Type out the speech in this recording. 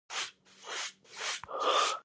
اکثریت خلک عادي انسانان دي.